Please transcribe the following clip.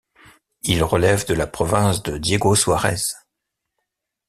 Il relève de la province de Diego-Suarez.